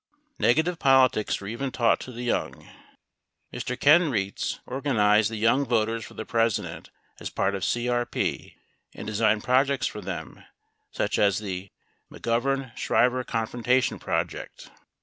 Negative politics were even taught to the young. Mr. Ken Rietz organized the Young Voters for the President as part of CRP and designed projects for them such as the "McGovern Shriver Confrontation" project.